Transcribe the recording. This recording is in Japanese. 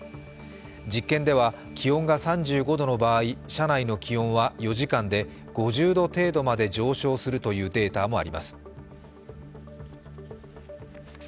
実験では気温が３５度の場合車内の気温は４時間で５０度程度まで上昇するというデータもあります。